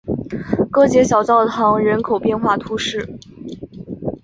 戈捷小教堂人口变化图示